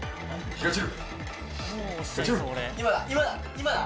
今だ